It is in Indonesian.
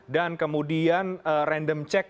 dan kemudian random check